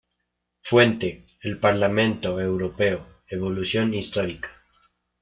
Fuente: El Parlamento Europeo: evolución histórica.